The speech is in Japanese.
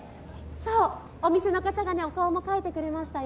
お店の方がお顔も描いてくださいましたよ。